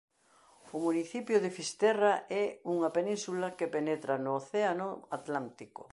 O municipio de Fisterra é unha península que penetra no Océano Atlántico.